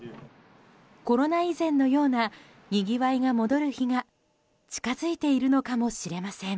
コロナ以前のようなにぎわいが戻る日が近づいているのかもしれません。